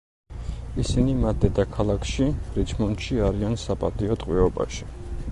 ისინი მათ დედაქალაქში, რიჩმონდში არიან საპატიო ტყვეობაში.